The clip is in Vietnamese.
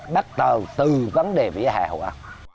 bắt đầu từ vấn đề vỉa hè hội an